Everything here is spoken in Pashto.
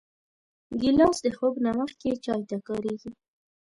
ګیلاس د خوب نه مخکې چای ته کارېږي.